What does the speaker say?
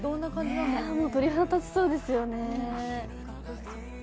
もう鳥肌立ちそうですよね。